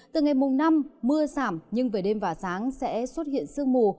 từ ngày mùng năm mưa giảm nhưng về đêm và sáng sẽ xuất hiện sương mù